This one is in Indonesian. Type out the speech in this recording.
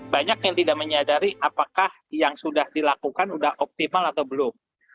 banyak yang tidak menyadari apakah yang sudah dilakukan sudah optimal atau belum